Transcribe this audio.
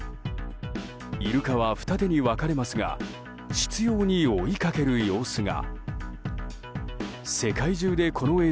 イルカは二手に分かれますが執拗に追いかける様子が。